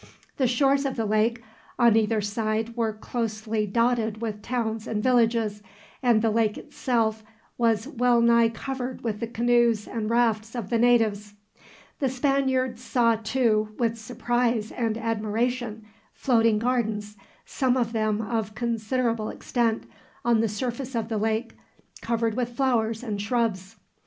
The shores of the lake on either side were closely dotted with towns and villages, and the lake itself was well nigh covered with the canoes and rafts of the natives. The Spaniards saw, too, with surprise and admiration, floating gardens some of them of considerable extent on the surface of the lake, covered with flowers and shrubs.